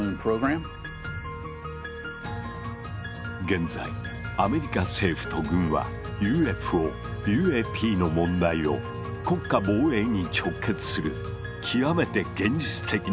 現在アメリカ政府と軍はＵＦＯＵＡＰの問題を国家防衛に直結する極めて現実的な文脈で語っているのだ。